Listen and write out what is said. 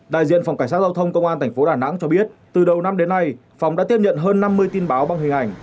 đại diện phòng cảnh sát giao thông công an tp đà nẵng cho biết từ đầu năm đến nay phòng đã tiếp nhận hơn năm mươi tin báo bằng hình ảnh